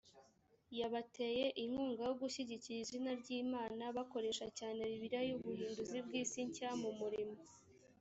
yabateye inkunga yo gushyigikira izina ry imana bakoresha cyane bibiliya y ubuhinduzi bw isi nshya mu murimo